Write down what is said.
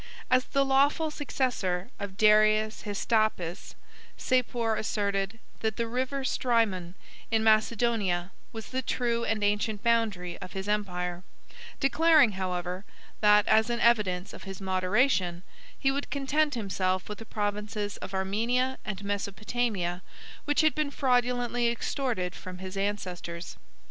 As the lawful successor of Darius Hystaspes, Sapor asserted, that the River Strymon, in Macedonia, was the true and ancient boundary of his empire; declaring, however, that as an evidence of his moderation, he would content himself with the provinces of Armenia and Mesopotamia, which had been fraudulently extorted from his ancestors.